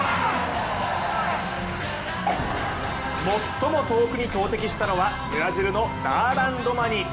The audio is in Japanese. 最も遠くに投てきしたのはブラジルのダーラン・ロマニ。